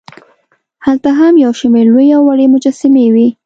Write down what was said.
هلته هم یوشمېر لوې او وړې مجسمې وې.